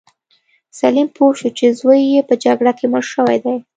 سلیم پوه شو چې زوی یې په جګړه کې مړ شوی دی.